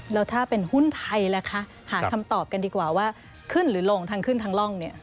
แล้วถ้าเป็นหุ้นไทยล่ะคะหาคำตอบกันดีกว่าว่าขึ้นหรือลงทางขึ้นทางร่องเนี่ย